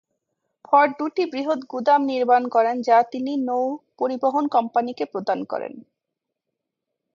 Ford দুটি বৃহৎ গুদাম নির্মাণ করেন যা তিনি নৌ-পরিবহণ কোম্পানিকে প্রদান করেন।